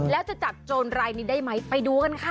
แล้วจะจับโจรรายนี้ได้ไหมไปดูกันค่ะ